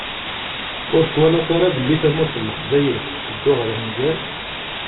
Ur twalaḍ ara belli tamurt n Leqbayel tetteddu ɣer nnger?